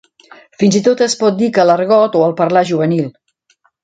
Fins i tot es pot dir que l'argot o el parlar juvenil.